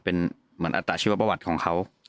เป็นอัตราชีวประวัติของเขา